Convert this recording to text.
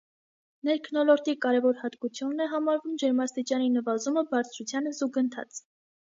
Ներքնոլորտի կարեւոր հատկությունն է համարվում ջերմաստիճանի նվազումը բարձրությանը զուգընթաց։